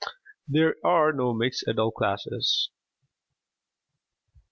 There are no mixed adult classes.